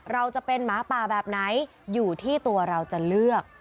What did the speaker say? เราจะเป็นหมาป่าแบบไหนอยู่ที่ตัวเราจะเลือก